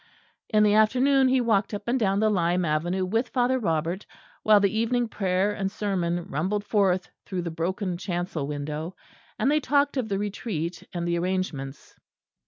In the afternoon he walked up and down the lime avenue with Father Robert, while the evening prayer and sermon rumbled forth through the broken chancel window; and they talked of the Retreat and the arrangements.